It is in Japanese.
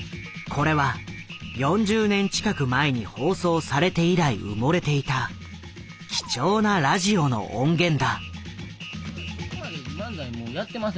これは４０年近く前に放送されて以来埋もれていた貴重なラジオの音源だ。